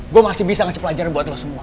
gue masih bisa ngasih pelajaran buat lo semua